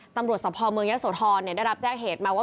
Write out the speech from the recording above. สะพอเมืองยะโสธรได้รับแจ้งเหตุมาว่า